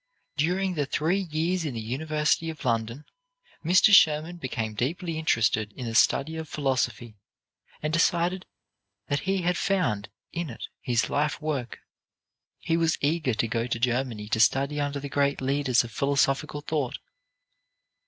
During the three years in the University of London, Mr. Schurman became deeply interested in the study of philosophy, and decided that he had found in it his life work. He was eager to go to Germany to study under the great leaders of philosophic thought.